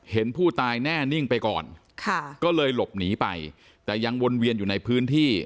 เห็นผู้ตายแน่นิ่งไปก่อนค่ะก็เลยหลบหนีไปแต่ยังวนเวียนอยู่ในพื้นที่